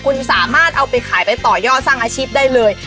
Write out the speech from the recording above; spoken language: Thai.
คุณสามารถเอาไปขายไปต่อยอดสร้างอาชีพได้เลย